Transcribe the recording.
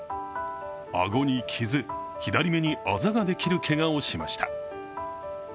顎に傷、左目にあざができるけがをしました。